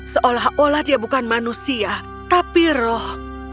seolah olah dia bukan manusia tapi roh